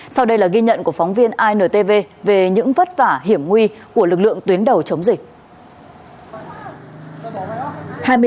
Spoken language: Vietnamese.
sau đây là ghi nhận của phóng viên intv về những vất vả hiểm nguy của lực lượng tuyến đầu chống dịch